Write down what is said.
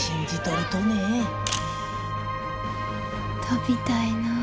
飛びたいな。